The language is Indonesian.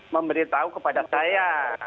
memberitahu kepada saya